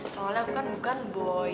soalnya aku kan bukan boy